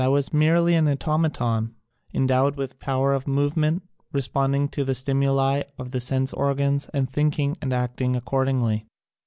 February, 1919 was merely an automaton endowed with power of movement, responding to the stimuli of the sense organs and thinking and acting accordingly.